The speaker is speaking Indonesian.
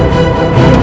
aku mau pergi